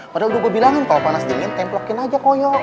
padahal lu udah bilangin kalo panas dingin templokin aja koyo